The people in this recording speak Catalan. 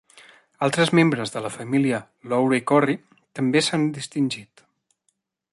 Altres membres de la família Lowry-Corry també s'han distingit.